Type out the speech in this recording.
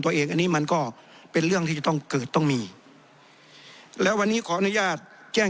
ตัวเองอันนี้มันก็เป็นเรื่องที่จะต้องเกิดต้องมีและวันนี้ขออนุญาตแจ้ง